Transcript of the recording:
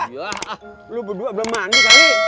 iya lu berdua belum mandi kan